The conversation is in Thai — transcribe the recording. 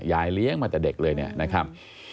ยายเลี้ยงมาจากเด็กเลยนะครับ